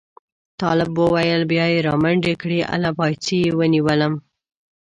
طالب وویل بیا یې را منډې کړې له پایڅې یې ونیولم.